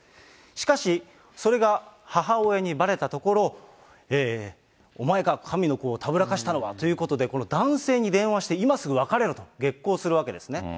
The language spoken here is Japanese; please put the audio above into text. しかし、それが母親にばれたところ、お前か、神の子をたぶらかしたのはということで、この男性に電話して、今すぐ別れろと激高するわけですね。